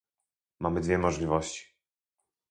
Mamy dwie możliwości